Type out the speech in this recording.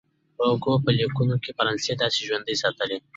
هوګو په لیکونو کې فرانسه داسې ژوندۍ ساتلې وه.